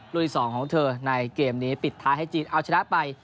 ที่๒ของเธอในเกมนี้ปิดท้ายให้จีนเอาชนะไป